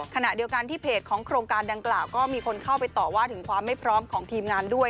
ขณะเดียวกันที่เพจของโครงการดังกล่าวก็มีคนเข้าไปต่อว่าถึงความไม่พร้อมของทีมงานด้วย